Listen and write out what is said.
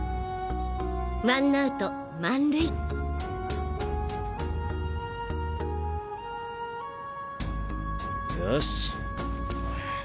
ワンアウト満塁よし。